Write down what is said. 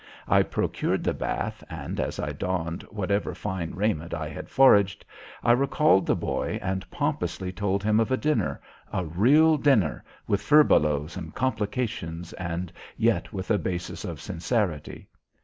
I procured the bath and, as I donned whatever fine raiment I had foraged, I called the boy and pompously told him of a dinner a real dinner, with furbelows and complications, and yet with a basis of sincerity.